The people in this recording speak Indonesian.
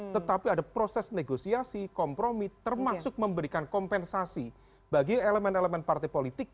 tetapi ada proses negosiasi kompromi termasuk memberikan kompensasi bagi elemen elemen partai politik